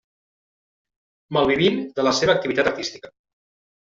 Malvivint de la seva activitat artística.